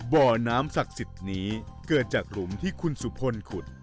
บ่อน้ำศักดิ์สิทธิ์นี้เกิดจากหลุมที่คุณสุพลขุด